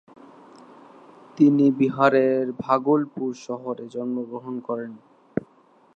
তিনি বিহারের ভাগলপুর শহরে জন্ম গ্রহণ করেন।